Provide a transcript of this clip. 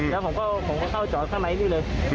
แล้วผมก็เข้าจอดข้างในนี่เลย